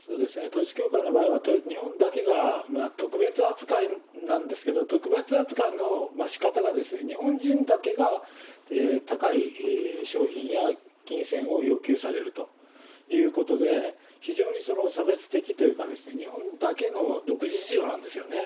統一教会の場合は、日本だけが特別扱いなんですけど、特別扱いのしかたが、日本人だけが、高い商品や金銭を要求されるということで、非常に差別的というか、日本だけの独自事情なんですよね。